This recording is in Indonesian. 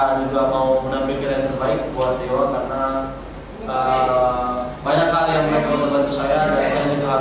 dan juga membantu mereka untuk kembali ke persembahan